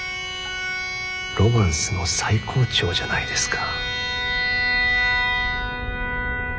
ロマンスの最高潮じゃないですか。